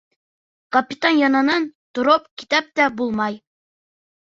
Капитан янынан тороп китеп тә булмай.